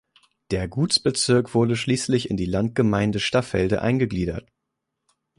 Der Gutsbezirk wurde schließlich in die Landgemeinde Staffelde eingegliedert.